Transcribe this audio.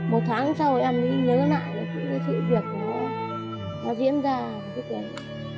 một tháng sau em nhớ lại cái sự việc nó diễn ra